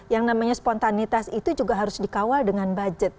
yang namanya spontanitas itu juga harus dikawal dengan budget